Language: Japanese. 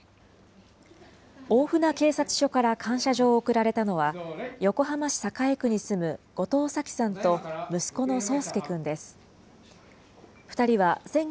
大船警察署から感謝状を贈られたのは、横浜市栄区に住む後藤早紀さんと息子の奏介君です。